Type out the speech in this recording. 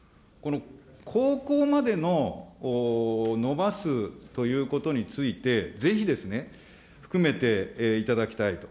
高校までののばすということについて、ぜひですね、含めていただきたいと。